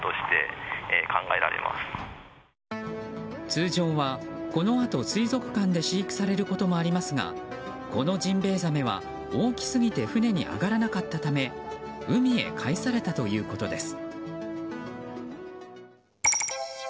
通常は、このあと水族館で飼育されることもありますがこのジンベエザメは大きすぎて船に上がらなかったため海へ返されたということです。